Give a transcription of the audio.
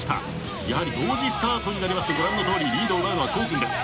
やはり同時スタートになりますとご覧のとおりリードを奪うのは胡央君です。